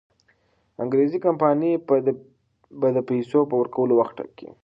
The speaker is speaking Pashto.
انګریزي کمپانۍ به د پیسو د ورکولو وخت ټاکي.